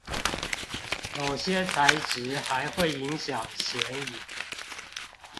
某些材質還會影響顯影